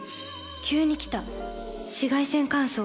急に来た紫外線乾燥。